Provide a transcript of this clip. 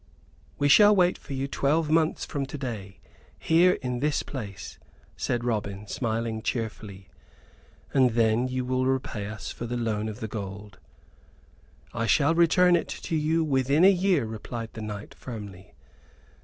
"We shall wait for you twelve months from to day, here in this place," said Robin, smiling cheerfully. "And then you will repay us for the loan of the gold." "I shall return it to you within a year," replied the knight, firmly.